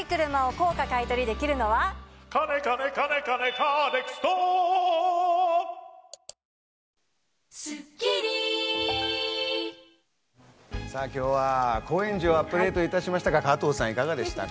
カネカネカネカネカーネクスト今日は高円寺をアップデートいたしましたが、加藤さん、いかがでしたか？